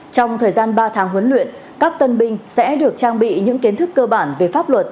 trong thời gian ba tháng huấn luyện các tân binh sẽ được trang bị những kiến thức cơ bản về pháp luật